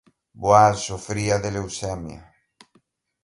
Boal sufría de leucemia.